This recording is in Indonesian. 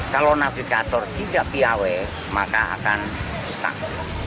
kalau navigator tidak piawe maka akan stuck